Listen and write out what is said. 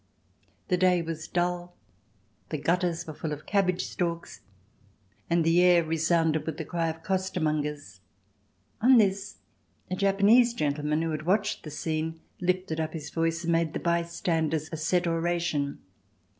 The day was dull, the gutters were full of cabbage stalks and the air resounded with the cry of costermongers. On this a Japanese gentleman, who had watched the scene, lifted up his voice and made the bystanders a set oration.